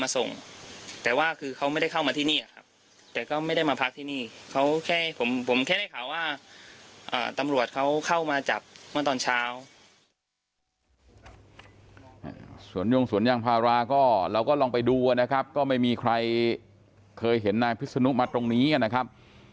ส่วนสวนยางพาราก็เราก็ลองไปดูนะครับก็ไม่มีใครเคยเห็นนายพิษนุมาตรงนี้นะครับ